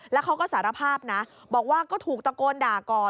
แล้วเขาก็สารภาพนะบอกว่าก็ถูกตะโกนด่าก่อน